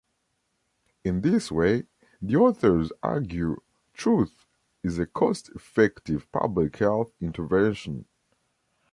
In this way, the authors argue "truth" is a cost-effective public health intervention.